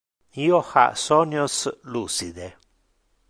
Io ha sonios lucide.